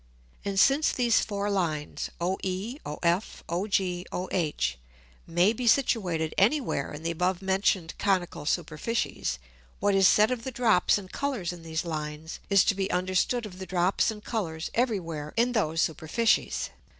And since these four Lines OE, OF, OG, OH, may be situated any where in the above mention'd conical Superficies; what is said of the Drops and Colours in these Lines is to be understood of the Drops and Colours every where in those Superficies.